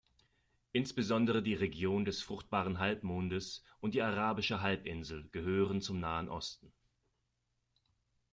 Insbesondere die Region des Fruchtbaren Halbmondes und die Arabische Halbinsel gehören zum Nahen Osten.